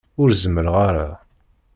Ur zemmreɣ ara.